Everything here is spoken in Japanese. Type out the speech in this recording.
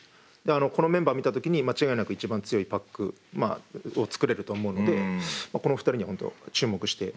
このメンバー見た時に間違いなく一番強いパックを作れると思うのでこの２人に本当注目してはい。